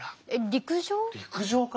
陸上から？